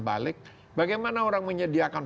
balik bagaimana orang menyediakan